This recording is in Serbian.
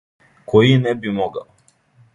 Који не би могао?